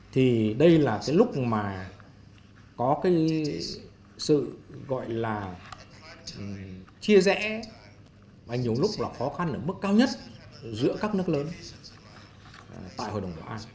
thì đây là cái lúc mà có cái sự gọi là chia rẽ và nhiều lúc là khó khăn ở mức cao nhất giữa các nước lớn tại hội đồng bảo an